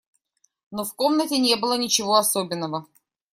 Но в комнате не было ничего особенного.